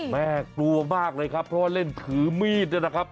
แม่กลัวมากเลยครับเพราะว่าเล่นถือมีดเนี่ยนะครับ